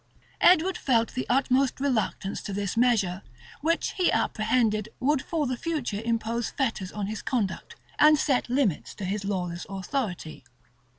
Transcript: Edward felt the utmost reluctance to this measure, which, he apprehended, would for the future impose fetters on his conduct, and set limits to his lawless authority.